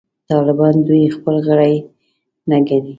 طالبان دوی خپل غړي نه ګڼي.